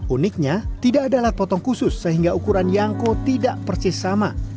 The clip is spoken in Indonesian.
uniknya tidak ada alat potong khusus sehingga ukuran yangko tidak persis sama